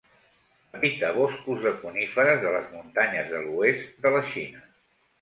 Habita boscos de coníferes de les muntanyes de l'oest de la Xina.